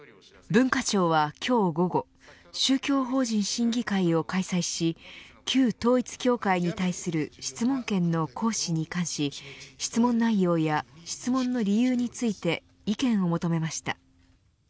文化庁は今日午後宗教法人審議会を開催し旧統一教会に対する質問権の行使に関し質問内容や質問の理由について意見を求めました。